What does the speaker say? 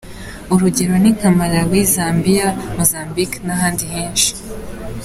Urugero ni nka Malawi, Zambiya, Mozambique n’ahandi henshi…